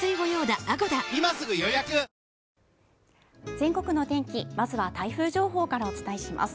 全国のお天気、まずは台風情報からお伝えします。